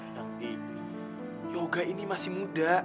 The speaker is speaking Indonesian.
nanti yoga ini masih muda